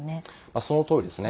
そのとおりですね。